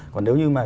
còn nếu như mà